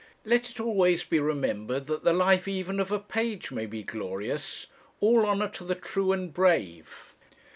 Let it always be remembered that the life even of a page may be glorious. All honour to the true and brave!"